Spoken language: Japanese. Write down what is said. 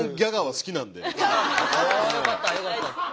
あよかったよかった。